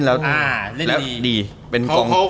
เข้าไปเล่น